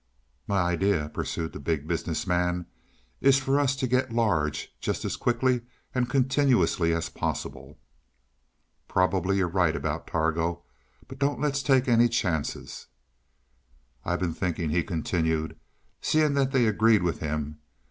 "My idea," pursued the Big Business Man, "is for us to get large just as quickly and continuously as possible. Probably you're right about Targo, but don't let's take any chances. "I've been thinking," he continued, seeing that they agreed with him.